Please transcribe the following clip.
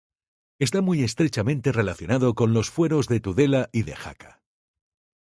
Está muy estrechamente relacionado con los Fueros de Tudela y de Jaca.